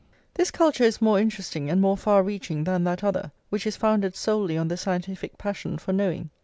This culture is more interesting and more far reaching than that other, which is founded solely on the scientific passion for knowing.